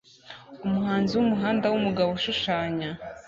Umuhanzi wumuhanda wumugabo ushushanya